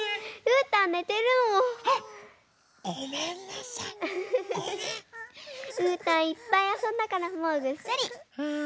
うーたんいっぱいあそんだからもうぐっすり。